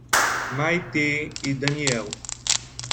Maitê e Daniel